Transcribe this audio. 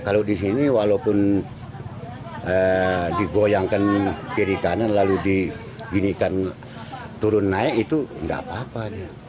kalau disini walaupun digoyangkan kiri kanan lalu diginikan turun naik itu tidak apa apa